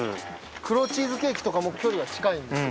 黒チーズケーキとかも距離が近いんですよ。